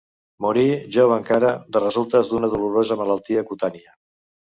Morí, jove encara, de resultes d'una dolorosa malaltia cutània.